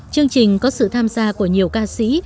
chương trình có sự tham gia của nhiều ca sĩ